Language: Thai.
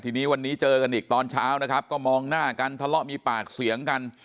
ทีนี้วันนี้เจอกันอีกตอนเช้านะครับก็มองหน้ากันทะเลาะมีปากเสียงกัน